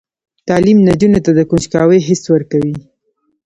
تعلیم نجونو ته د کنجکاوۍ حس ورکوي.